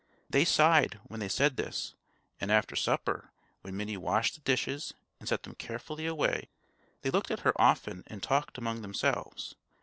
They sighed when they said this; and after supper, when Minnie washed the dishes and set them carefully away, they looked at her often and talked among themselves.